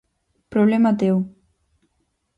Problema teu.